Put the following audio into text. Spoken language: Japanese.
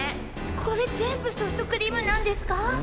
これ全部ソフトクリームなんですか？